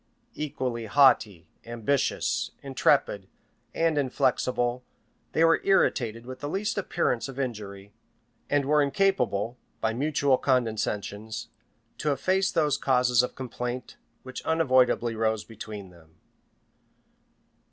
Equally haughty, ambitious, intrepid, and inflexible, they were irritated with the least appearance of injury, and were incapable, by mutual condescensions, to efface those causes of complaint which unavoidably rose between them.